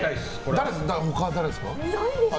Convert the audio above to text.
誰ですか、他。